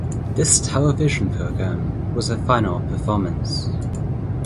This television program was her final performance.